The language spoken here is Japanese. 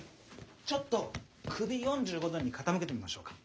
ちょっと首４５度に傾けてみましょうか。